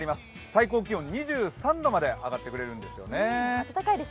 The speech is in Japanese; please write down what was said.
最高気温２３度まで上がってくれるんですよね。